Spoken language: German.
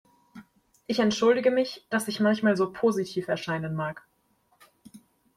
Ich entschuldige mich, dass ich manchmal so positiv erscheinen mag.